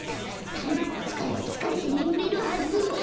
たいりょくをつかえばつかれてねむれるはず！